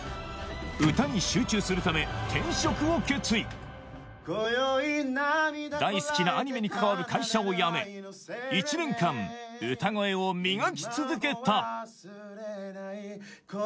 歌に集中するため転職を決意大好きなアニメに関わる会社を辞め一年間歌声を磨き続けた